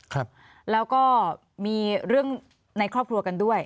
ครับแล้วก็มีเรื่องในครอบครัวกันด้วย